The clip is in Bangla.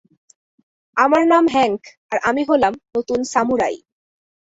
আমার নাম হ্যাংক, আর আমি হলাম নতুন সামুরাই।